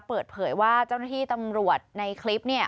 เปิดเผยว่าเจ้าหน้าที่ตำรวจในคลิป